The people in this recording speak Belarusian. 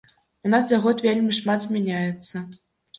У нас за год вельмі шмат змяняецца.